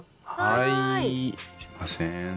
はいすいません。